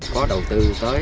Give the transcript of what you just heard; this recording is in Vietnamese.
có đầu tư có